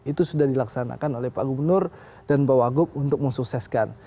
itu sudah dilaksanakan oleh pak gubernur dan pak wagub untuk mensukseskan